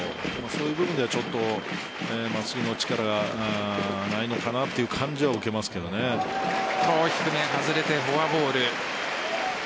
そういう部分ではちょっと真っすぐの力がないのかなという感じは低め外れてフォアボール。